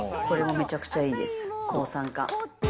これもめちゃくちゃいいです。